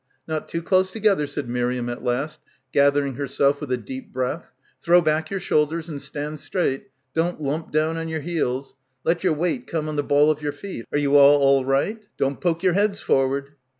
"Not too close together," said Miriam at last, gathering herself with a deep breath ; "throw back your shoulders and stand straight. Don't lump down on your heels. Let your weight come on the ball of your feet. Are you all all right? Don't poke your heads forward."